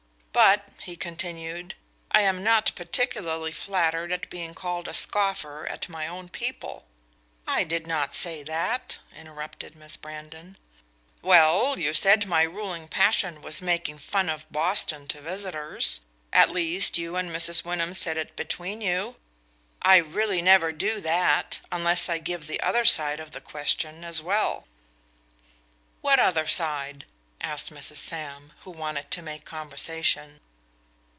"But," he continued, "I am not particularly flattered at being called a scoffer at my own people " "I did not say that," interrupted Miss Brandon. "Well, you said my ruling passion was making fun of Boston to visitors; at least, you and Mrs. Wyndham said it between you. I really never do that, unless I give the other side of the question as well." "What other side?" asked Mrs. Sam, who wanted to make conversation.